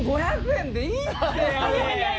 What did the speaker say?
５５００円でいいって。